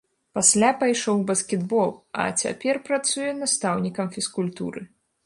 Пасля пайшоў у баскетбол, а цяпер працуе настаўнікам фізкультуры.